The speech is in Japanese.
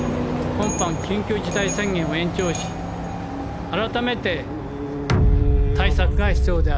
今般緊急事態宣言を延長し改めて対策が必要である。